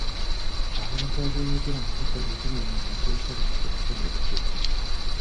Abantu abeenyigira mu bikolwa ebimenya amateeka bajja kubonerezebwa.